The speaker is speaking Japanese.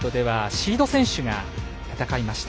シード選手が戦いました。